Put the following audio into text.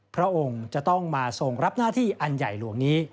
พระองค์จะต้องมาทรงรับหน้าที่อันใหญ่หลวงนี้